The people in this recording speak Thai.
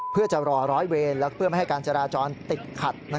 เพื่อจะรอร้อยเวรและเพื่อไม่ให้การจราจรติดขัด